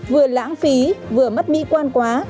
vừa lãng phí vừa mất mỹ quan quá